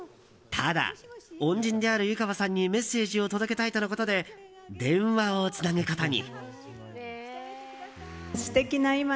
ただ、恩人である湯川さんにメッセージを届けたいとのことで電話をつなぐことに。